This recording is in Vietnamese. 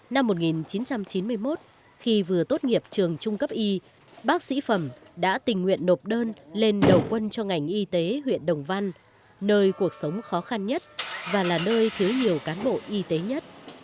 năm một nghìn chín trăm chín mươi một khi vừa tốt nghiệp trường trung cấp y bác sĩ phẩm đã tình nguyện nộp đơn lên đầu quân cho ngành y tế huyện đồng văn nơi cuộc sống khó khăn nhất và là nơi thiếu nhiều cán bộ y tế nhất